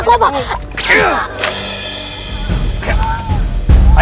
kau mau detail apa